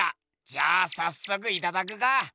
じゃあさっそくいただくか！